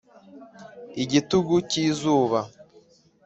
igitugu cy'izuba.